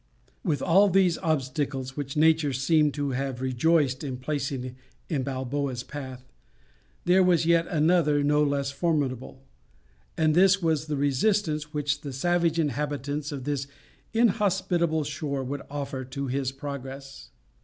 With all these obstacles which Nature seemed to have rejoiced in placing in Balboa's path, there was yet another no less formidable, and this was the resistance which the savage inhabitants of this inhospitable shore would offer to his progress.